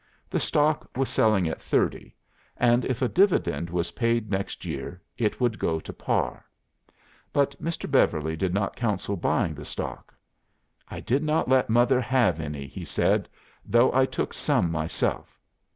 The stock was selling at 30, and if a dividend was paid next year, it would go to par. But Mr. Beverly did not counsel buying the stock. 'I did not let mother have any,' he said, 'though I took some myself.